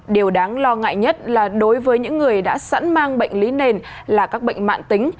điều đáng lo ngại nhất là đối với những người đã sẵn mang bệnh lý nền là các bệnh mạng tính